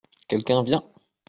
Quelqu’un vient.